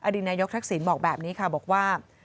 ดีนายกทักษิณบอกแบบนี้ค่ะบอกว่า